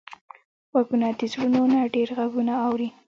غوږونه د زړونو نه ډېر غږونه اوري